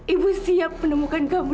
ibu siap menemukan kamu